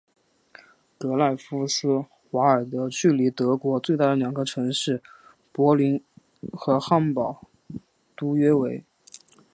格赖夫斯瓦尔德距离德国最大的两个城市柏林和汉堡都约为。